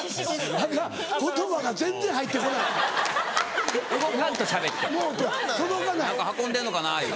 何か運んでんのかなぁいう。